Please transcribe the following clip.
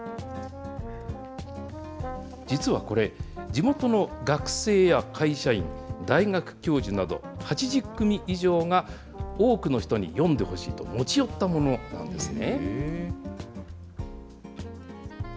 実はこれ、地元の学生や会社員、大学教授など、８０組以上が、多くの人に読んでほしいと、持ち寄ったものなんですね。